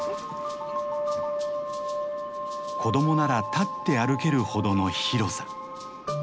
子供なら立って歩けるほどの広さ。